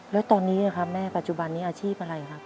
แล้วตอนนี้ค่ะแม่ปัจจุบันนี้อาชีพอะไรค่ะ